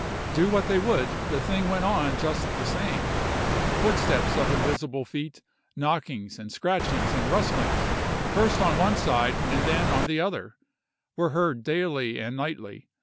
Do what they would, the thing went on just the same: footsteps of invisible feet, knockings, and scratchings, and rustlings, first on one side, and then on the other, were heard daily and nightly.